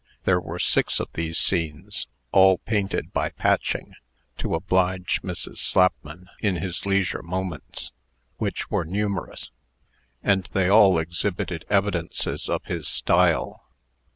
There were six of these scenes, all painted by Patching (to oblige Mrs. Slapman) in his leisure moments, which were numerous; and they all exhibited evidences of his style.